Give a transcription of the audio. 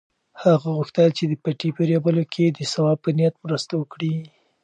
هغه غوښتل چې د پټي په رېبلو کې د ثواب په نیت مرسته وکړي.